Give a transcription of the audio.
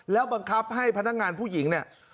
แล้วบังคับให้พนักงานผู้หญิงเนี่ย